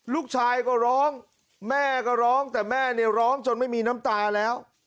ลูกชายก็ร้องแม่ก็ร้องแต่แม่เนี่ยร้องจนไม่มีน้ำตาแล้ว